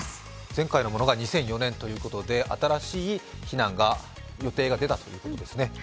前回のものが２００４年ということで、新しい避難予定が出たということですね。